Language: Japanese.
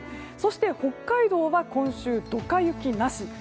そして、北海道は今週、ドカ雪なし。